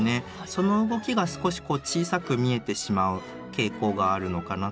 その動きが少し小さく見えてしまう傾向があるのかなと思います。